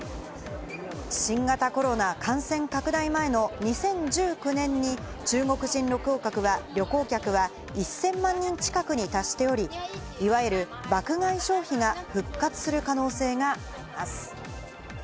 新型コロナ感染拡大前の２０１９年に中国人旅行客は１０００万人近くに達しており、いわゆる爆買い消費が復活する可能性があります。